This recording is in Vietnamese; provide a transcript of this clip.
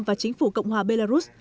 và chính phủ cộng hòa belarus